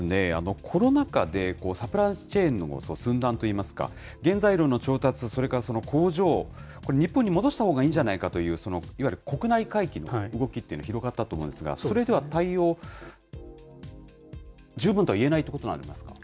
ただ、コロナ禍でサプライチェーンの寸断といいますか、原材料の調達、それから、工場、これ、日本に戻したほうがいいんじゃないかという、そのいわゆる国内回帰の動きというのが広がったと思うんですが、それでは対応、十分とはいえないということになりま